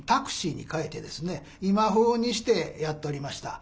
今風にしてやっておりました。